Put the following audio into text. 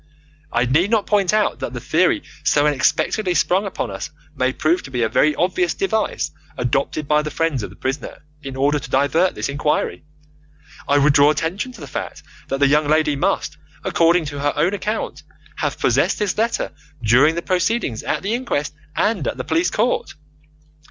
I need not point out that the theory so unexpectedly sprung upon us may prove to be a very obvious device adopted by the friends of the prisoner in order to divert this inquiry. I would draw attention to the fact that the young lady must, according to her own account, have possessed this letter during the proceedings at the inquest and at the police court.